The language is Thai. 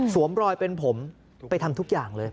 รอยเป็นผมไปทำทุกอย่างเลย